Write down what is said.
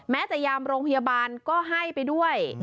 แม้จะยามโรงพยาบาลก็ให้ไปด้วย